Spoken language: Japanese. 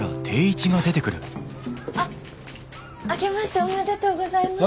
あっ明けましておめでとうございます。